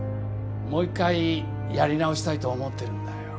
もう一回やり直したいと思ってるんだよ。